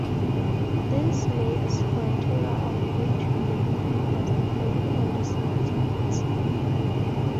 This makes for a total of eight to eleven papers, depending on the subjects.